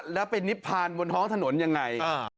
และเป็นนิพพรรณบนฮ้องถนนอย่างไร